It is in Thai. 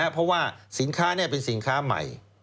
เพราะว่าสินค้าเป็นสินค้าใหม่